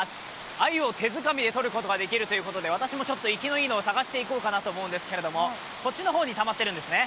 アユを手づかみで捕ることができるということで私もいきのいいのを探しているんですがこっちの方にたまってるんですね。